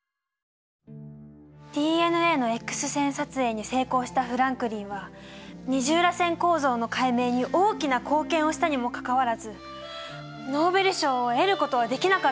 ＤＮＡのＸ線撮影に成功したフランクリンは二重らせん構造の解明に大きな貢献をしたにもかかわらずノーベル賞を得ることはできなかったの。